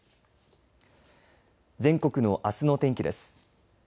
全国のあすの天気です。